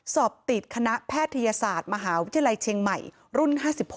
สอบติดคณะแพทยศาสตร์มหาวิทยาลัยเชียงใหม่รุ่น๕๖